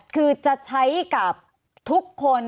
คือจะใช้กับทุกคน